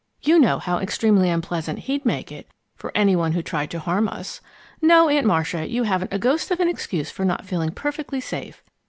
You know how extremely unpleasant he'd make it for any one who tried to harm us. No, Aunt Marcia, you haven't a ghost of an excuse for not feeling perfectly safe.